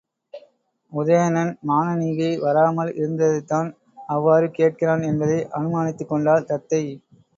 உதயணன், மானனீகை வராமல் இருந்ததைத்தான் அவ்வாறு கேட்கிறான் என்பதை அனுமானித்துக்கொண்டாள் தத்தை.